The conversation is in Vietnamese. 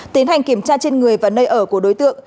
tiến hành kiểm tra trên người và nơi ở của đối tượng